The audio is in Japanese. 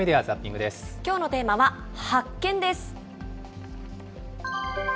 きょうのテーマは発見です。